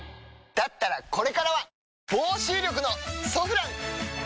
だったらこれからは防臭力の「ソフラン」！